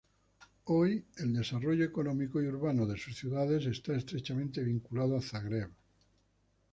Hoy, el desarrollo económico y urbano de sus ciudades está estrechamente vinculado a Zagreb.